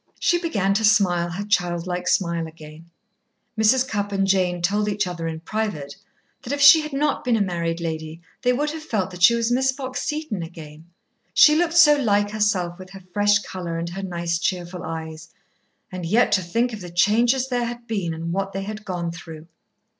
She began to smile her childlike smile again. Mrs. Cupp and Jane told each other in private that if she had not been a married lady, they would have felt that she was Miss Fox Seton again. She looked so like herself, with her fresh colour and her nice, cheerful eyes. And yet to think of the changes there had been, and what they had gone through!